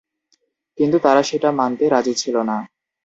কিন্তু তারা সেটা মানতে রাজি ছিল না।